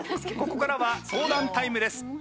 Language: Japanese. ここからは相談タイムです。